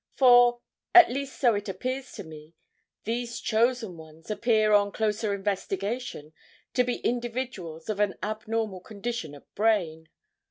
For, at least so it appears to me, these chosen ones appear on closer investigation to be individuals of an abnormal condition of brain.